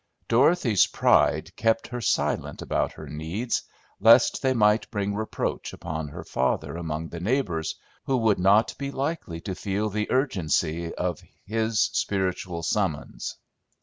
Dorothy's pride kept her silent about her needs, lest they might bring reproach upon her father among the neighbors, who would not be likely to feel the urgency of his spiritual summons.